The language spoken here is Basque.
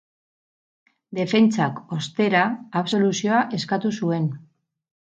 Defentsak, ostera, absoluzioa eskatu zuen.